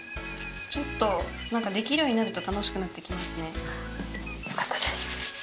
ちょっと何かできるようになると楽しくなってきますね。